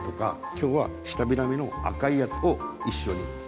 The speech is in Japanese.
今日はシタビラメの赤いやつを一緒に。